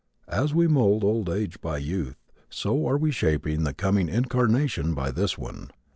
As we mould old age by youth so we are shaping the coming incarnation by this one.